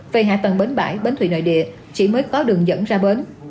về hạ tầng bến bãi bến thủy nội địa chỉ mới có đường dẫn ra bến